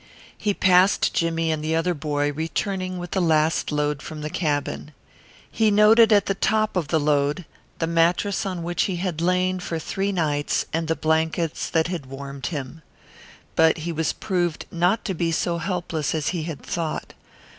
He passed Jimmie and the other boy returning with the last load from the cabin. He noted at the top of the load the mattress on which he had lain for three nights and the blankets that had warmed him. But he was proved not to be so helpless as he had thought.